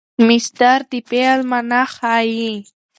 مصدر د فعل مانا ښيي.